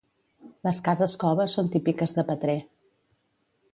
Les cases-cova són típiques de Petrer.